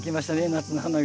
夏の花が。